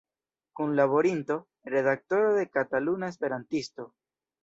Kunlaborinto, redaktoro de "Kataluna Esperantisto".